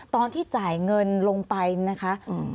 ตอนที่จ่ายเงินลงไปนะคะ